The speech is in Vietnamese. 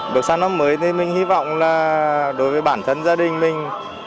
bước sang năm mới thì mình hy vọng là đối với bản thân gia đình mình